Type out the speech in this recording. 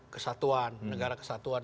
kesatuan negara kesatuan